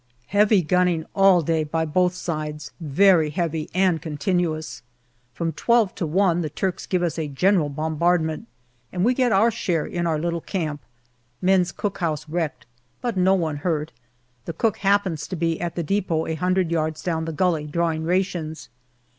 Heavy gunning all day by both sides very heavy and continuous. From twelve to one the Turks give us a DECEMBER 285 general bombardment, and we get our share in our little camp. Men's cookhouse wrecked, but no one hurt ; the cook happens to be at the depot a hundred yards down the gully drawing rations.